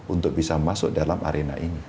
untuk bisa masuk dalam arena ini